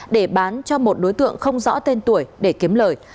để bán cho một đối tượng không rõ tên tuổi để kiếm lời